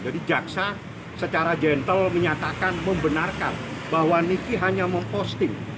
jadi jaksa secara gentle menyatakan membenarkan bahwa niki hanya memposting